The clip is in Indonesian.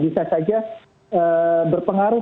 bisa saja berpengaruh